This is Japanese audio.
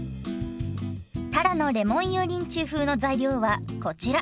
たらのレモン油淋鶏風の材料はこちら。